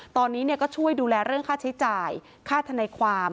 ตอนนี้ก็ช่วยดูแลเรื่องค่าใช้จ่ายค่าธนายความ